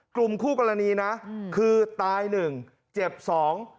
กลุ่มคู่กรณีนะอืมคือตายหนึ่งเจ็บสอง